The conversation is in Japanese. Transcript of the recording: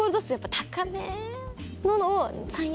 高めのを？